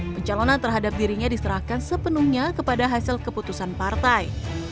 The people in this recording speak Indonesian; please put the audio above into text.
pencalonan terhadap dirinya diserahkan sepenuhnya kepada hasil keputusan partai